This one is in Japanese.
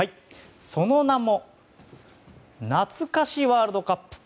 その名もなつか史ワールドカップ。